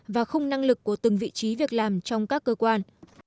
và khung năng lực của từng vị trí việc làm trong các cơ quan